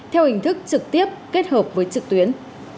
theo hình thức trực tiếp kết hợp với trực tuyến